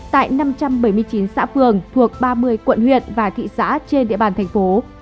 tại năm trăm bảy mươi chín xã phường thuộc ba mươi quận huyện và thị xã trên địa bàn thành phố